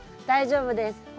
大丈夫です。